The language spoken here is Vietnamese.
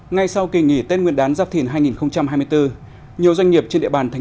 ngay sau kỳ nghỉ tết nguyên đán giáp thìn hai nghìn hai mươi bốn